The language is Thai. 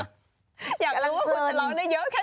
อยากรู้ว่าคุณจะร้องได้เยอะแค่ไหน